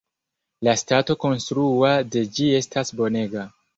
La stato konstrua de ĝi estas bonega.